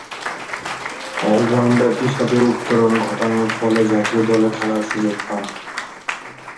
All-rounder হিসেবে উত্তরণ ঘটানোর ফলে জাতীয় দলে খেলার সুযোগ পান।